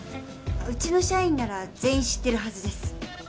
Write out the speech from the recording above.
うちの社員なら全員知ってます